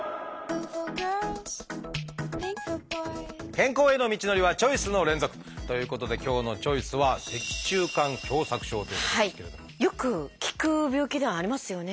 健康への道のりはチョイスの連続！ということで今日の「チョイス」はよく聞く病気ではありますよね。